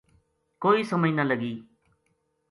کوئی سمجھ نہ لگی